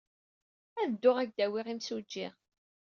Ad dduɣ ad ak-d-awiɣ imsujji.